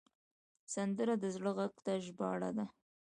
سندره د زړه غږ ته ژباړه ده